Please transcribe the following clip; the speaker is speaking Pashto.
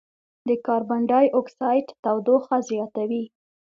د کاربن ډای اکسایډ تودوخه زیاتوي.